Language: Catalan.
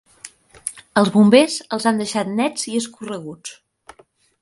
Els bombers els han deixat nets i escorreguts.